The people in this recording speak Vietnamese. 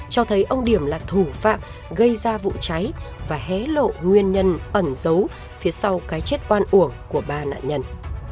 cho thấy ông điểm là thủ phạm gây ra vụ cháy và hé lộ nguyên nhân ẩn dấu phía sau cái chết oan uổng của ba nạn nhân